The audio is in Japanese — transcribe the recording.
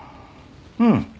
うん。